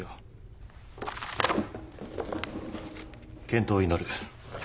健闘を祈る。